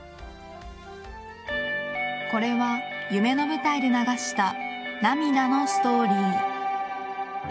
これは、夢の舞台で流した涙のストーリー。